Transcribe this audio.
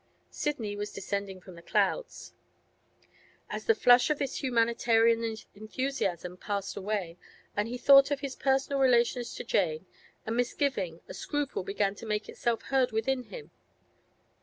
Sidney was descending from the clouds. As the flush of his humanitarian enthusiasm passed away, and he thought of his personal relations to Jane, a misgiving, a scruple began to make itself heard within him.